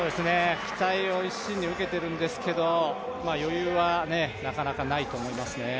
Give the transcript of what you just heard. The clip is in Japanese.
期待を一身に受けてるんですけど余裕はなかなかないと思いますね。